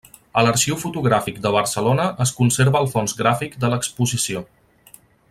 A l'Arxiu Fotogràfic de Barcelona es conserva el fons gràfic de l'exposició.